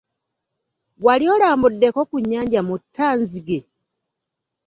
Wali olambuddeko ku nnyanja Muttanzige?